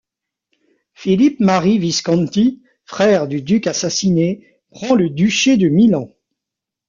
Philippe Marie Visconti, frère du duc assassiné, prend le duché de Milan.